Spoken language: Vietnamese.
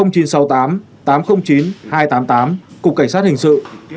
cục cảnh sát hình sự